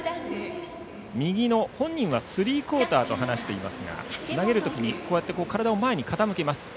右の、本人はスリークオーターと話していますが投げるとき体を前に傾けます。